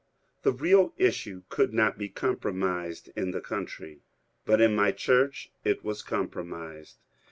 The real issue could not be compromised in the country, but in my church it was compromised.